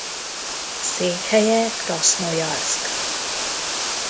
Székhelye Krasznojarszk.